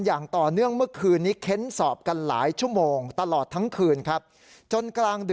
อย่างต่อเนื่องนะคุณฮะ